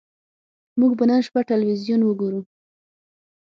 موږ به نن شپه ټلویزیون وګورو